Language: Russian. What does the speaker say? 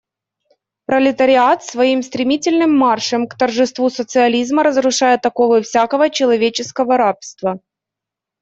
Пролетариат своим стремительным маршем к торжеству социализма разрушает оковы всякого человеческого рабства.